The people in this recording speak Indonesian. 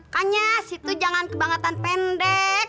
kan ya situ jangan kebangetan pendek